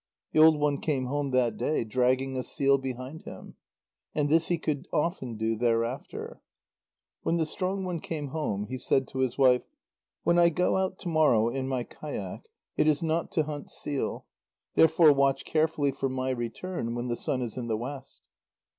The old one came home that day dragging a seal behind him. And this he could often do thereafter. When the strong one came home, he said to his wife: "When I go out to morrow in my kayak, it is not to hunt seal; therefore watch carefully for my return when the sun is in the west."